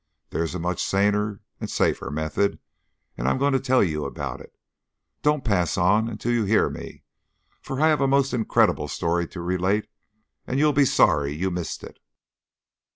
There is a much saner, safer method, and I'm going to tell you about it. Don't pass on until you hear me, for I have a most incredible story to relate, and you'll be sorry you missed it."